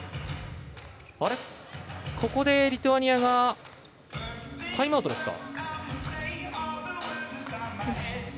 ここでリトアニアがタイムアウトですか。